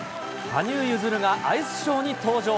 羽生結弦がアイスショーに登場。